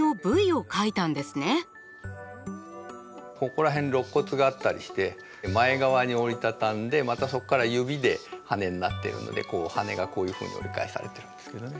ここら辺ろっ骨があったりして前側に折り畳んでまたそっから指で羽になってるのでこう羽がこういうふうに折り返されてるんですけどね。